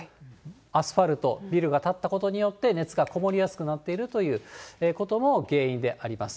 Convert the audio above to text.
アスファルト、ビルが建つことによって、熱がこもりやすくなっているということも原因であります。